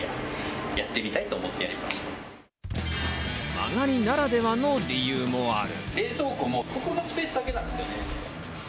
間借りならではの理由もある。